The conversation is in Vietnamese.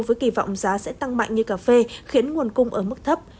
với kỳ vọng giá sẽ tăng mạnh như cà phê khiến nguồn cung ở mức thấp